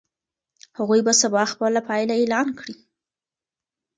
هغوی به سبا خپله پایله اعلان کړي.